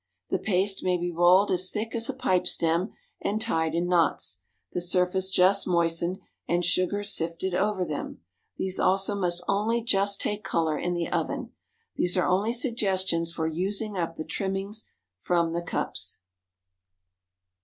The paste may be rolled as thick as a pipe stem and tied in knots, the surface just moistened, and sugar sifted over them; these also must only just take color in the oven. These are only suggestions for using up the trimmings from the cups.